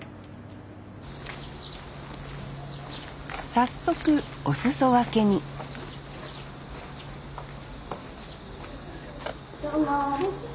早速お裾分けにどうも。